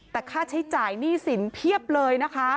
แต่ค่าใช้จ่ายหนี้สินเพียบเลยนะคะ